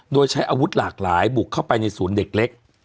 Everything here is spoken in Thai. โดยใช้อาวุธหลากหลายบุกเข้าไปในศูนย์เด็กเล็ก